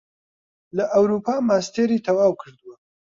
لە ئەوروپا ماستێری تەواو کردووە